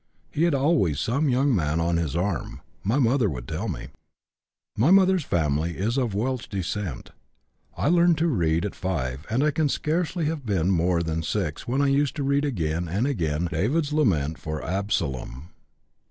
He had always some young man on his arm, my mother would tell me. My mother's family is of Welsh descent. I learned to read at 5, and I can scarcely have been more than 6 when I used to read again and again David's lament for Absalom.